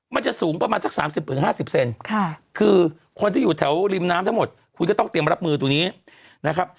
มันจะสูงประมาณสัก๓๐๕๐เซนคือคนที่อยู่แถวริมน้ำทั้งหมดคุณก็ต้องเตรียมรับมือตรงนี้นะครับ